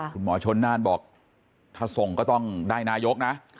คุณหมอชนน่านบอกถ้าส่งก็ต้องได้นายกนะ